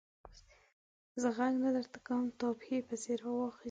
زه ږغ نه درته کوم؛ تا پښې پسې را واخيستې.